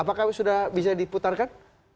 apakah sudah bisa diputarkan